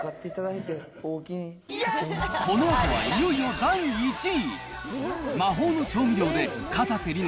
このあとは、いよいよ第１位。